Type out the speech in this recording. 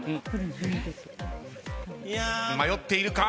迷っているか？